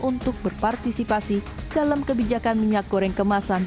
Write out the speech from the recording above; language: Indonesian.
untuk berpartisipasi dalam kebijakan minyak goreng kemasan